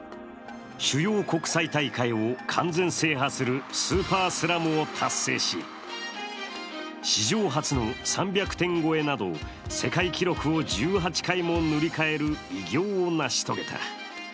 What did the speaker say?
主要国際大会を完全制覇するスーパースラムを達成し史上初の３００点超えなど世界記録を１８回も塗り替える偉業を成し遂げた。